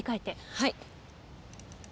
はい。